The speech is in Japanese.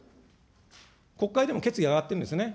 国会でも決議が上がっているんですね。